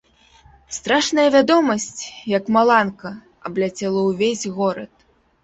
Страшная вядомасць, як маланка, абляцела ўвесь горад.